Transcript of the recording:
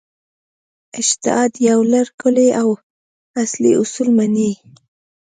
اجتهاد یو لړ کُلي او اصلي اصول مني.